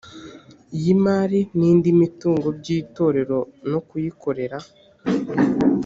y imari n indi mitungo by itorero no kuyikorera